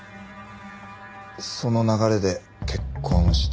その流れで結婚して。